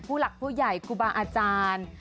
ผู้หลักผู้ใหญ่ครูบาอาจารย์